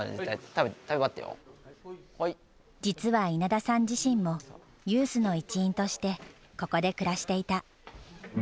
実は稲田さん自身もユースの一員としてここで暮らしていた。